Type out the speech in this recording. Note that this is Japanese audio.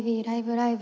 ライブ！